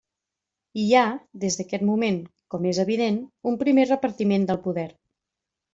Hi ha, des d'aquest moment, com és evident, un primer repartiment del poder.